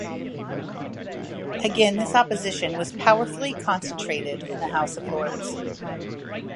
Again this opposition was powerfully concentrated in the House of Lords.